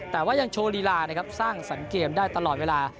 แต่ว่ายังโชว์ลีลานะครับสร้างสรรคเกมได้ตลอดเวลา